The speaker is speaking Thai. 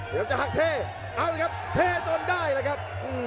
จะหักเทเอาเลยครับเทจนได้เลยครับ